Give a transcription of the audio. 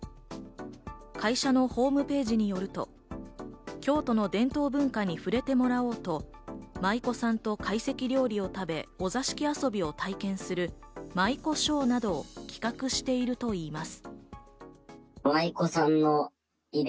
会社のホームページによると、京都の伝統文化に触れてもらおうと、舞子さんと懐石料理を食べ、お座敷遊びを体験する舞子ショーなどを企画しているといいます。